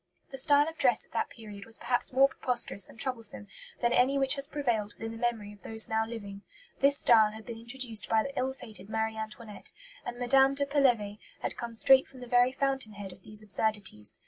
The style of dress at that period was perhaps more preposterous and troublesome than any which has prevailed within the memory of those now living. This style had been introduced by the ill fated Marie Antoinette, and Mme. de Pelevé had come straight from the very fountain head of these absurdities.